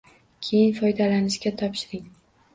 Keyin, foydalanishga topshiring!